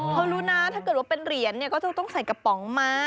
เขารู้นะถ้าเกิดว่าเป็นเหรียญเนี่ยก็ต้องใส่กระป๋องมา